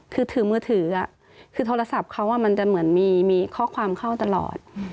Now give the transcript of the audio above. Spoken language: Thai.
คือถือมือถือคือโทรศัพท์เขามันจะเหมือนมีข้อความเข้าตลอด